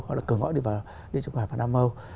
họ đã cờ ngõ đi vào địa chung hải và nam âu